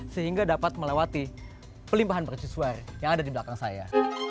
sehingga dapat melewati pelimpahan mercusuar yang ada di belakang saya